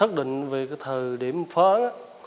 đã xác định về thời điểm phá ấn